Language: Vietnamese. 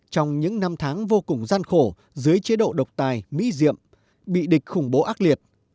trong những năm tháng vô cùng gian khổ dưới chế độ độc tài mỹ diệm bị địch khủng bố ác liệt